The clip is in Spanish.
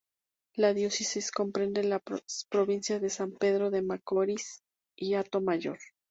La diócesis comprende las provincias de San Pedro de Macorís y Hato Mayor.